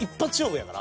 やから。